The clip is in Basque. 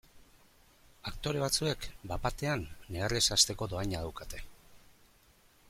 Aktore batzuek bat batean negarrez hasteko dohaina daukate.